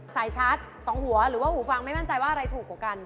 สายชาร์จ๒หัวหรือว่าหูฟังไม่มั่นใจว่าอะไรถูกกว่ากัน